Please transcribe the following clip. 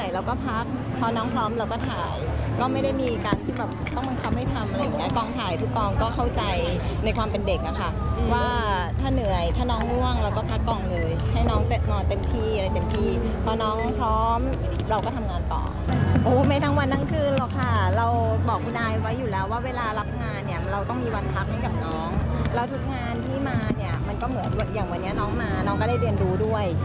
แล้วทุกงานที่มาเนี่ยมันก็เหมือนอย่างวันนี้น้องมาน้องก็ได้เรียนรู้ด้วย